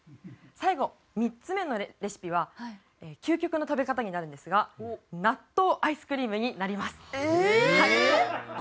最後３つ目のレシピは究極の食べ方になるんですが納豆アイスクリームになります。